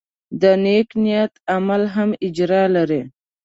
د نیک نیت عمل هم اجر لري.